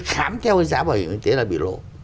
khám theo giá bảo hiểm y tế là bị lỗ